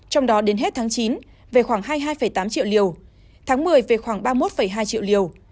trong đó đến hết tháng chín về khoảng hai mươi hai tám triệu liều tháng một mươi về khoảng ba mươi một hai triệu liều